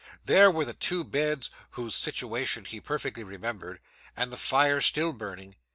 There were the two beds, whose situation he perfectly remembered, and the fire still burning.